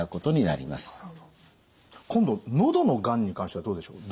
今度喉のがんに関してはどうでしょう？